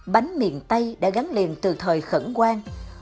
bánh miền tây đã gắn liền từ thời khẩn quang